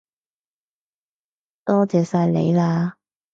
多謝晒你喇